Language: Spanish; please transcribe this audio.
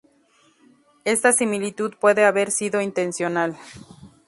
Esta similitud puede haber sido intencional.